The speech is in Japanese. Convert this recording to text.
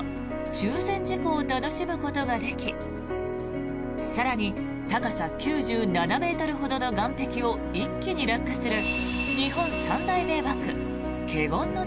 中禅寺湖を楽しむことができ更に、高さ９７ｍほどの岸壁を一気に落下する日本三大名瀑、華厳ノ